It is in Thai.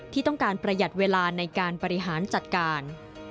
ที่ต้องการประหยัดเวลาในการบริหารจัดการ